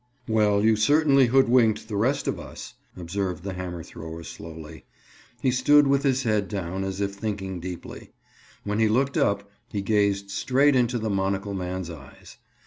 "Well, you certainly hoodwinked the rest of us," observed the hammer thrower slowly. He stood with his head down as if thinking deeply. When he looked up, he gazed straight into the monocle man's eyes.